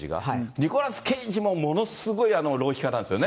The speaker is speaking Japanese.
ニコラス・ケイジもものすごい浪費家なんですよね。